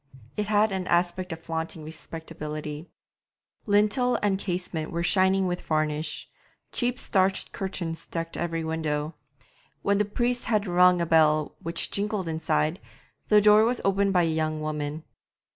It had an aspect of flaunting respectability; lintel and casements were shining with varnish; cheap starched curtains decked every window. When the priest had rung a bell which jingled inside, the door was opened by a young woman.